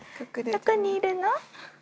どこにいるの？